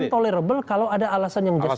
dia intolerable kalau ada alasan yang justified